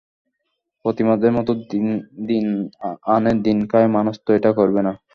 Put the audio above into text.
প্রতিমাদের মতো দিন আনে দিন খায় মানুষ তো এটা করবে না।